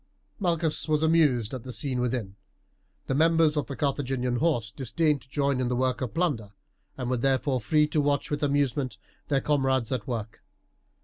Malchus was amused at the scene within. The members of the Carthaginian horse disdained to join in the work of plunder, and were, therefore, free to watch with amusement their comrades at work.